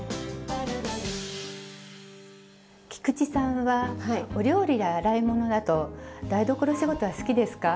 菊池さんはお料理や洗い物など台所仕事は好きですか？